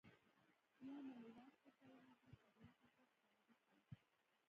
یا مو له واک څخه ووځي په ځمکه کې خوندي کوو.